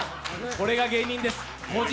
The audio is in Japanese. これが芸人です。